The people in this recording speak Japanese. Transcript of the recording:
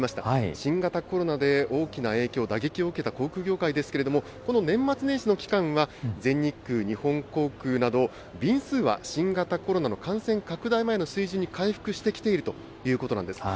新型コロナで大きな影響、打撃を受けた航空業界ですけれども、この年末年始の期間は、全日空、日本航空など、便数は新型コロナの感染拡大前の水準に回復してきているということなんです。